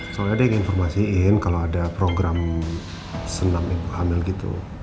soalnya ada yang informasiin kalau ada program senam ibu hamil gitu